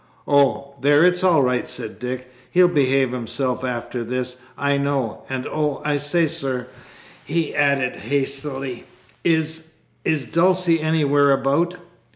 "Oh, there, it's all right!" said Dick; "he'll behave himself after this, I know. And oh! I say, sir," he added hastily, "is is Dulcie anywhere about?"